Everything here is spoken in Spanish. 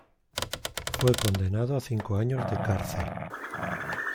Fue condenado a cinco años de cárcel.